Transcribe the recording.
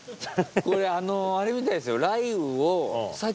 これあのあれみたいですよ。